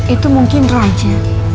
itu mungkin raja